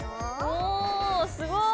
おすごい！